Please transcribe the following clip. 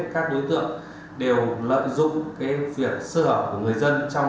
các đối tượng đều lợi dụng việc sửa của người dân